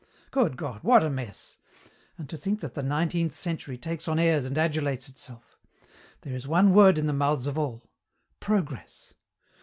"Good God, what a mess! And to think that the nineteenth century takes on airs and adulates itself. There is one word in the mouths of all. Progress.